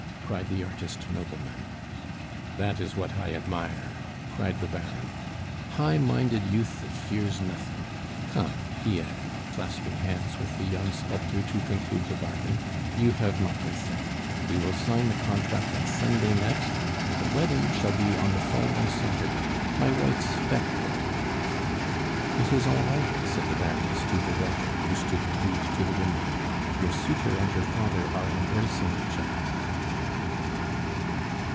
cried the artist nobleman. "That is what I admire!" cried the Baron. "High minded youth that fears nothing. Come," he added, clasping hands with the young sculptor to conclude the bargain, "you have my consent. We will sign the contract on Sunday next, and the wedding shall be on the following Saturday, my wife's fete day." "It is all right," said the Baroness to her daughter, who stood glued to the window. "Your suitor and your father are embracing each other."